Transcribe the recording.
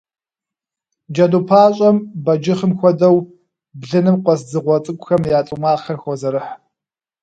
Джэду пащӏэм, бэджыхъым хуэдэу, блыным къуэс дзыгъуэ цӏыкӏухэм я цӏу макъхэр хозэрыхь.